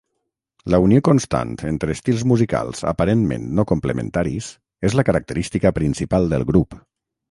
La unió constant entre estils musicals aparentment no complementaris és la característica principal del grup.